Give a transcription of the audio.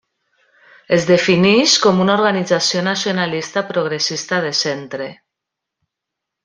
Es defineix com una organització nacionalista progressista de centre.